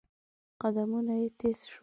قدمونه يې تېز شول.